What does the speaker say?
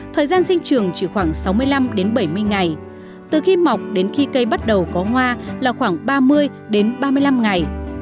thời gian sinh trường chỉ khoảng sáu mươi năm đến bảy mươi ngày từ khi mọc đến khi cây bắt đầu có hoa là khoảng ba mươi đến ba mươi năm ngày